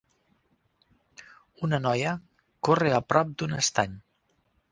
Una noia corre a prop d"un estany.